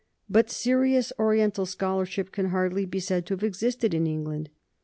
But serious Oriental scholarship can hardly be said to have existed in England.